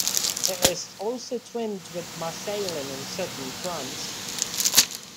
It is also twinned with Marseillan in southern France.